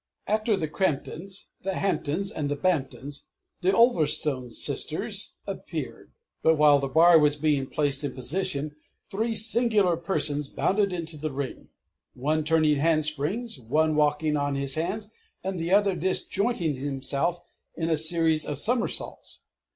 After the Cramp tons, the Hamptons, and the Bamptons, the Ulverstone Sisters appeared; but while the bar was being placed in position three singular persons bounded into the Ring one turning handsprings, one walking on his hands, and the other disjointing himself in a series of summersaults.